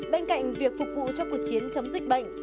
bên cạnh việc phục vụ cho cuộc chiến chống dịch bệnh